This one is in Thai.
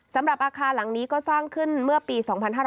สำหรับอาคารหลังนี้ก็สร้างขึ้นเมื่อปี๒๕๕๙